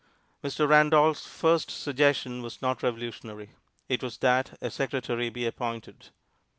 Mr. Randolph's first suggestion was not revolutionary; it was that a secretary be appointed.